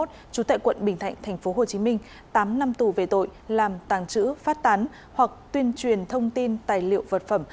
trú tại quận bình thạnh tp hcm tám năm tù về tội làm tàng trữ phát tán hoặc tuyên truyền thông tin tài liệu vật phẩm